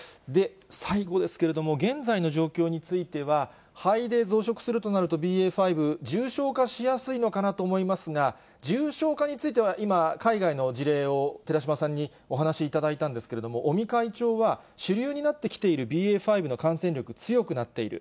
最後ですけれども、現在の状況については、肺で増殖するとなると、ＢＡ．５、重症化しやすいのかなと思いますが、重症化については今、海外の事例を寺嶋さんにお話しいただいたんですけれども、尾身会長は、主流になってきているＢＡ．５の感染力、強くなっている。